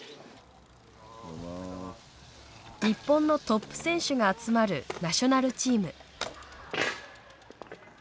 日本のトップ選手が集まるナショナルチーム。